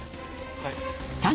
はい。